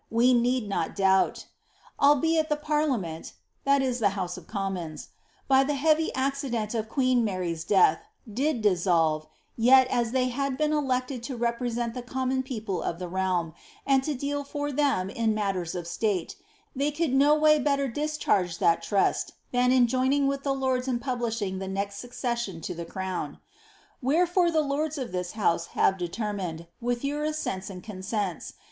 we need not doubt.* "Albeit the parliament (house of commons), by tlie heavy accident of queen Mary's death, did dissolve,* yet, as they had been elected to represent tlie com mon people of the realm, and to deal for them in matters of state, they could no a ay better discharge that trust than iu joining with the lords in publi:ihing tho xkpxt »uccession to the crown.* ^Wherefore the lords of this house have determined, with your assents and itinsentj.